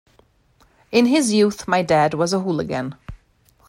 In his youth my dad was a hooligan.